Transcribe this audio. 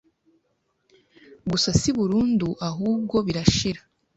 gusa si burundu ahubwo birashira